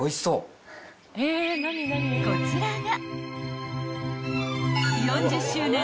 ［こちらが］